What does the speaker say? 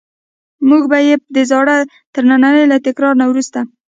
موږ به یې د زاړه ترننی له تکرار نه وروسته.